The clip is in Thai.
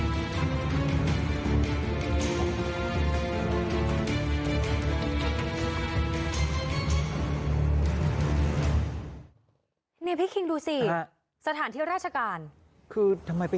ถูกต้องสองโรงโรงพยาบาลโรงพยาบาล